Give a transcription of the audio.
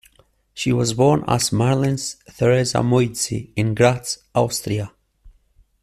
She was born as Marlies Theresa Moitzi in Graz, Austria.